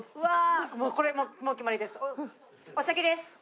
もうこれもう決まりです。